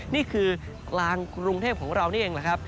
นี่คือกลางกรุงเทพของเรานี่เองแหละครับ